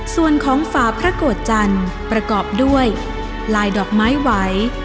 ส่วนของฝาพระโกรธจันทร์ประกอบด้วยลายดอกไม้ไหว